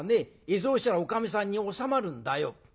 絵草紙屋のおかみさんに収まるんだよ」。